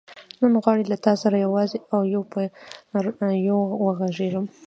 نن غواړم له تا سره یوازې او یو پر یو وغږېږم.